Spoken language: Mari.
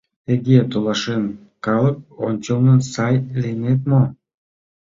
— Тыге толашен, калык ончылно сай лийнет мо?